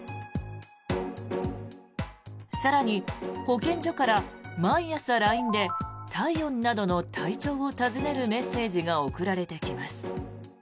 更に、保健所から毎朝、ＬＩＮＥで体温などの体調を尋ねるメッセージが送られてきます。